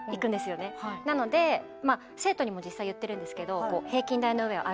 なので生徒にも実際言ってるんですけど。